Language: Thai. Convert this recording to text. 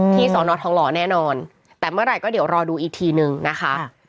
สอนอทองหล่อแน่นอนแต่เมื่อไหร่ก็เดี๋ยวรอดูอีกทีนึงนะคะ